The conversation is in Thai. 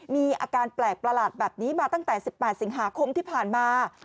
มีอาการแปลกประหลาดแบบนี้มาตั้งแต่๑๘สิงหาคมที่ผ่านมา